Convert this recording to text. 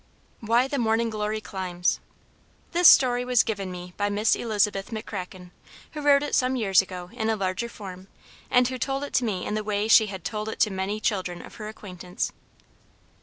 WHY THE MORNING GLORY CLIMBS [Footnote 1: This story was given me by Miss Elisabeth McCracken, who wrote it some years ago in a larger form, and who told it to me in the way she had told it to many children of her acquaintance.